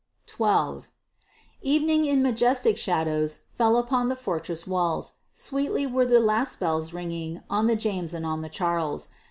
XII Evening in majestic shadows fell upon the fortress' walls; Sweetly were the last bells ringing on the James and on the Charles.